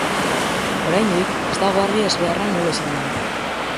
Oraindik ez dago argi ezbeharra nola izan den.